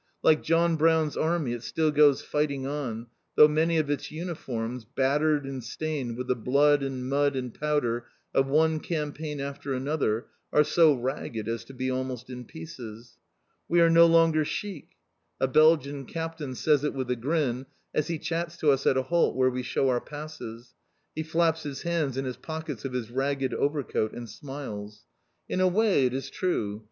Like John Brown's Army it "still goes fighting on," though many of its uniforms, battered and stained with the blood and mud and powder of one campaign after another, are so ragged as to be almost in pieces. "We are no longer chic!" A Belgian Captain says it with a grin, as he chats to us at a halt where we shew our passes. He flaps his hands in his pockets of his ragged overcoat and smiles. In a way, it is true!